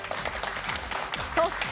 そして。